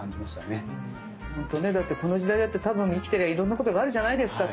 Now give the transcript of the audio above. この時代だって多分生きてりゃいろんなことがあるじゃないですか。